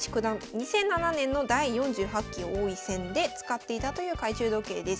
２００７年の第４８期王位戦で使っていたという懐中時計です。